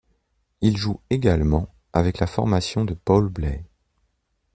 Il joue également avec la formation de Paul Bley.